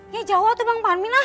ya jawa tuh bang parmin lah